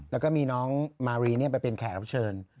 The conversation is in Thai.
แล้วก็มีน้องมารีไปเป็นแขกรับเชิญ